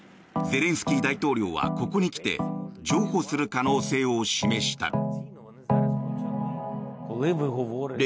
ゼレンスキー大統領はここに来て譲歩する可能性を示した。